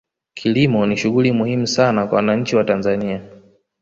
kilimo ni shughuli muhimu sana kwa wananchi wa tanzania